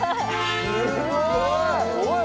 すごい！